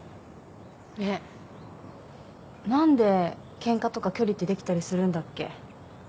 えっなんでケンカとか距離ってできたりするんだっけ？